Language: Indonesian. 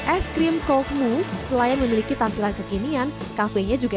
es krim kokmu selain memiliki tampilan kekinian kafenya juga